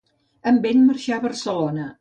Amb ell marxà a Barcelona.